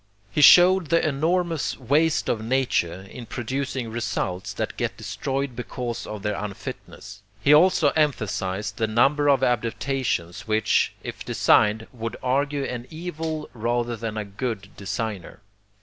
He showed the enormous waste of nature in producing results that get destroyed because of their unfitness. He also emphasized the number of adaptations which, if designed, would argue an evil rather than a good designer.